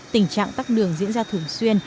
tình trạng tắc đường diễn ra thường xuyên